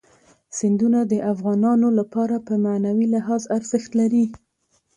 سیندونه د افغانانو لپاره په معنوي لحاظ ارزښت لري.